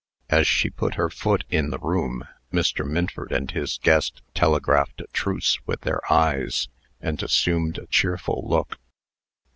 As she put her foot in the room, Mr. Minford and his guest telegraphed a truce with their eyes, and assumed a cheerful look.